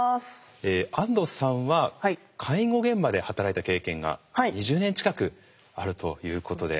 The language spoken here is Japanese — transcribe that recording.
安藤さんは介護現場で働いた経験が２０年近くあるということで。